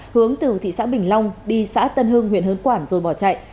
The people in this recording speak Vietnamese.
hướng từ thị xã bình long đi xã tân hưng huyện hớn quản rồi bỏ chạy